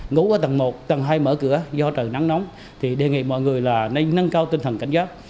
ngủ ở tầng một tầng hai mở cửa do trời nắng nóng thì đề nghị mọi người là nên nâng cao tinh thần cảnh giác